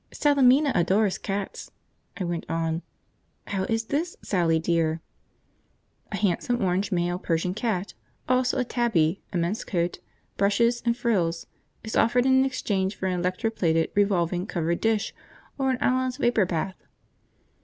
"Salemina adores cats," I went on. "How is this, Sally, dear? 'A handsome orange male Persian cat, also a tabby, immense coat, brushes and frills, is offered in exchange for an electro plated revolving covered dish or an Allen's Vapour Bath.'"